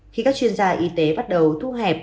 khi các chuyên gia y tế bắt đầu thu hẹp